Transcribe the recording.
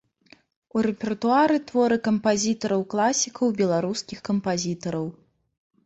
У рэпертуары творы кампазітараў-класікаў і беларускіх кампазітараў.